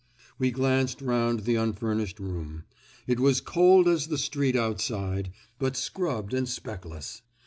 We glanced round the unfurnished room. It was cold as the street outside, but scrubbed and speckless.